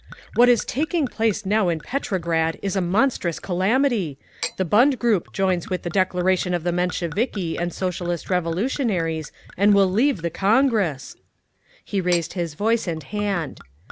"What is taking place now in Petrograd is a monstrous calamity! The Bund group joins with the declaration of the Mensheviki and Socialist Revolutionaries and will leave the Congress!" He raised his voice and hand.